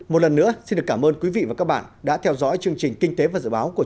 một lần nữa xin được cảm ơn quý vị và các bạn đã theo dõi chương trình kinh tế và dự báo của chúng